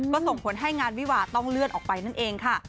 ก็ส่งผลให้งานวิวาต้องเลื่อนออกไปนั่นเองค่ะ